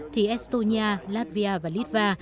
thì estonia latvia và litva